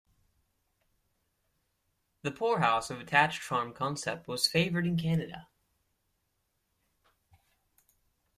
The poorhouse with attached farm concept was favored in Canada.